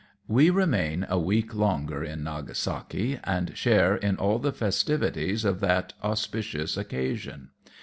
We remain a week longer in Nagasaki, and share in all the festivities of that auspicious occasion.